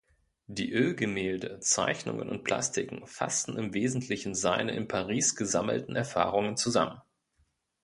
Die Ölgemälde, Zeichnungen und Plastiken fassten im Wesentlichen seine in Paris gesammelten Erfahrungen zusammen.